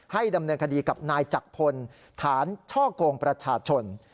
ดำเนินคดีกับนายจักรพลฐานช่อกงประชาชน